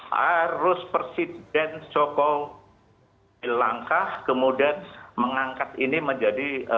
harus presiden soko bilangkah kemudian mengangkat ini menjadi